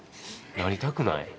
なりたくない。